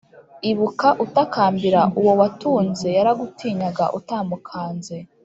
ibuka utakambira uwo watunze yaragutinyaga utamukanze